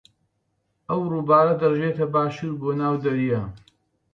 ئەم ڕووبارە دەڕژێتە باشوور بۆ ناو دەریا.